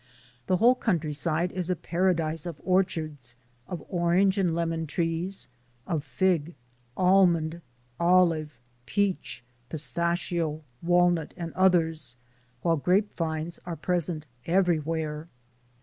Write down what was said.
The whole countryside A NATIVE OF ANCIENT APULIA 7 is a paradise of orchards of orange and lemon trees, of fig, almond, olive, peach, pistaccio, walnut, and others, wliile grape vines are present everywhere.